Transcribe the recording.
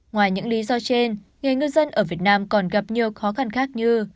ngoài những lý do trên nghề ngư dân ở việt nam còn gặp nhiều khó khăn khác như